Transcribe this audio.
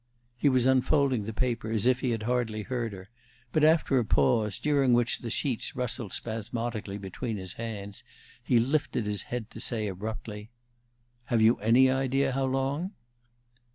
He was unfolding the paper as if he had hardly heard her; but after a pause, during which the sheets rustled spasmodically between his hands, he lifted his head to say abruptly, "Have you any idea _how long?"